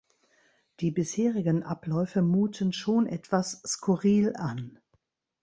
Die bisherigen Abläufe muten schon etwas skurril an.